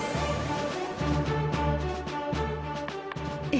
え。